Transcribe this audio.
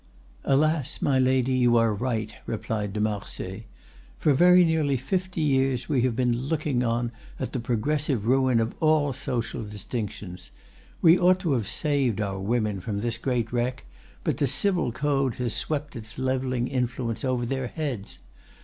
"Alas! my lady, you are right," replied de Marsay. "For very nearly fifty years we have been looking on at the progressive ruin of all social distinctions. We ought to have saved our women from this great wreck, but the Civil Code has swept its leveling influence over their heads.